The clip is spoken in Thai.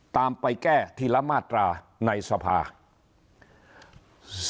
ตามไปแก้ทีละมาตราในสภาคุณชวนลีกภัยค้าน